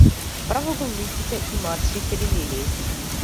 Правоаголниците имаат четири линии.